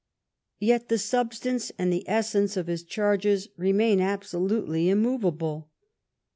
Yet the substance and the essence of his charges remain absolutely immovable.